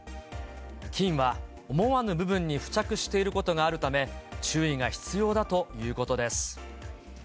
菌は思わぬ部分に付着していることがあるため、注意が必要だということです。